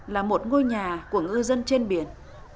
là một ngôi nhà của ngư dân trên biển